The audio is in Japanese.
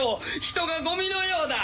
人がゴミのようだ！